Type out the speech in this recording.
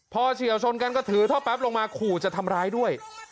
พอเฉียวชนกันก็ถือท่อแป๊บลงมาขู่จะทำร้ายด้วย